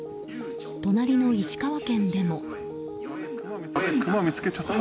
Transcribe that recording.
隣の石川県でも。